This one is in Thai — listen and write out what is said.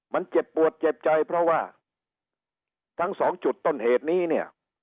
มันเจ็บปวดเจ็บใจเพราะว่าทั้งสองจุดต้นเหตุนี้เนี่ย